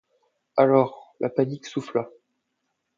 Alors, la panique souffla.